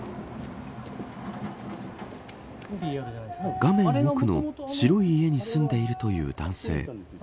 画面奥の白い家に住んでいるという男性。